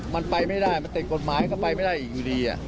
มันไปไม่ได้มันติดกฎหมายก็ไปไม่ได้อีกอยู่ดี